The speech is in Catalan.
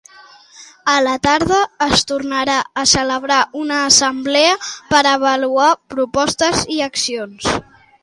A la tarda es tornarà a celebrar una assemblea per avaluar propostes i accions.